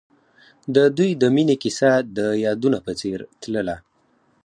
د دوی د مینې کیسه د یادونه په څېر تلله.